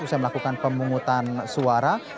usaha melakukan pemungutan suara